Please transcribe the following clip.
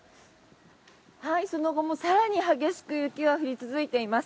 その後も更に激しく雪は降り続いています。